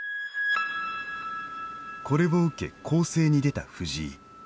これを受け攻勢に出た藤井。